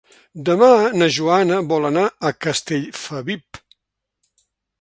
Demà na Joana vol anar a Castellfabib.